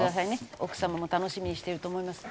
奥様も楽しみにしていると思います。